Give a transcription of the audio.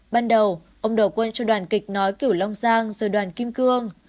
ban đầu ông đổ quân cho đoàn kịch nói kiểu long giang rồi đoàn kim cương